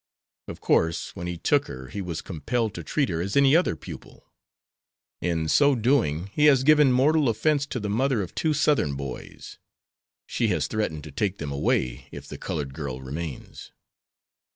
Of course, when he took her he was compelled to treat her as any other pupil. In so doing he has given mortal offense to the mother of two Southern boys. She has threatened to take them away if the colored girl remains."